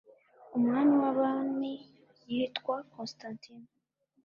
umwami wabami yitwa costantino